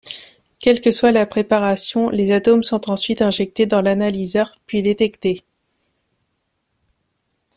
Quelle que soit la préparation, les atomes sont ensuite injectés dans l'analyseur, puis détectés.